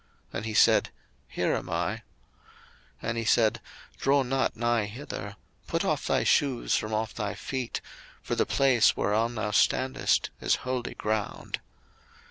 And he said, Here am I. 02:003:005 And he said, Draw not nigh hither: put off thy shoes from off thy feet, for the place whereon thou standest is holy ground.